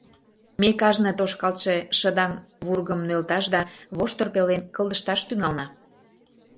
Ме кажне тошкалтше шыдаҥ вургым нӧлташ да воштыр пелен кылдышташ тӱҥална.